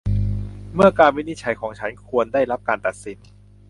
เมื่อการวินิจฉัยของฉันควรได้รับการตัดสิน